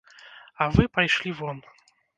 А вы пайшлі вон!